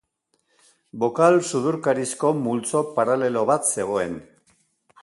Bokal sudurkarizko multzo paralelo bat zegoen.